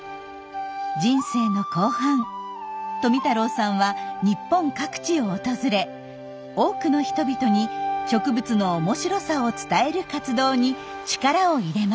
人生の後半富太郎さんは日本各地を訪れ多くの人々に植物の面白さを伝える活動に力を入れました。